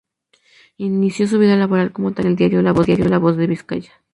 Inició su vida laboral como taquígrafo en el diario "La Voz de Vizcaya".